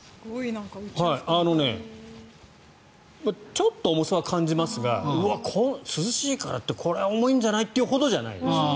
ちょっと重さは感じますが涼しいからってこれは重いんじゃない？っていうほどじゃない。